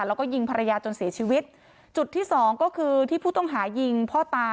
แล้วก็ยิงภรรยาจนเสียชีวิตจุดที่สองก็คือที่ผู้ต้องหายิงพ่อตา